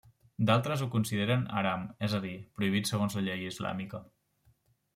D'altres ho consideren hàram, és a dir, prohibit segons la llei islàmica.